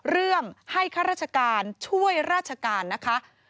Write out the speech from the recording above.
เรื่องให้ข้าราชการช่วยราชการนะคะ